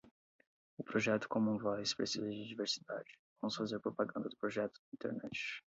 O projeto commonvoice precisa de diversidade, vamos fazer propaganda do projeto na internet